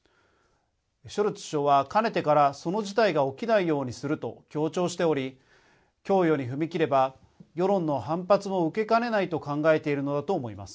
ショルツ首相は、かねてからその事態が起きないようにすると強調しており供与に踏み切れば世論の反発も受けかねないと考えているのだと思います。